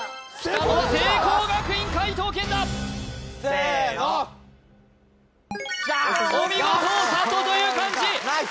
どうだ聖光学院解答権だせーのお見事「里」という漢字ナイス！